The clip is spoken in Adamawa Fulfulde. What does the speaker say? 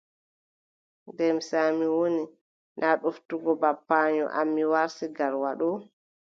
Demsa mi woni. naa ɗoftugo babbaayo am mi warti Garwa ɗo.